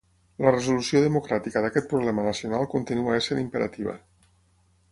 La resolució democràtica d’aquest problema nacional continua essent imperativa.